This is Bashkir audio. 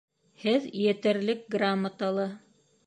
Һеҙ етерлек грамоталы